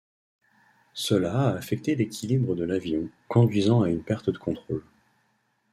Cela a affecté l'équilibre de l'avion, conduisant à une perte de contrôle.